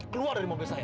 keluar dari mobil saya